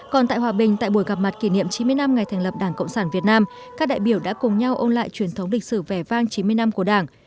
còn tại hòa bình tại buổi gặp mặt kỷ niệm chín mươi năm ngày thành lập đảng cộng sản việt nam các đại biểu đã cùng nhau ôn lại truyền thống địch sử vẻ vang chín mươi năm của đảng